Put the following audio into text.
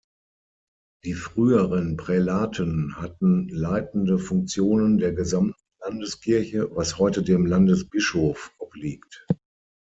Die früheren Prälaten hatten leitende Funktionen der gesamten Landeskirche, was heute dem Landesbischof obliegt.